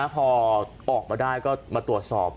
พอออกมาได้ก็มาตรวจสอบ